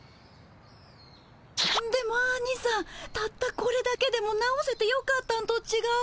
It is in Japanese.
でもアニさんたったこれだけでも直せてよかったんとちがう？